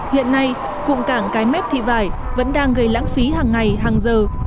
hiện nay cụm càng cái mét thị vải vẫn đang gây lãng phí hàng ngày hàng giờ